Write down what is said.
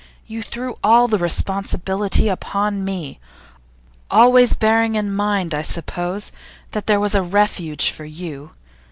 You threw all the responsibility upon me always bearing in mind, I suppose, that there was a refuge for you.